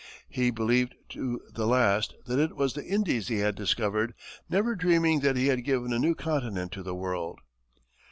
He believed to the last that it was the Indies he had discovered, never dreaming that he had given a new continent to the world.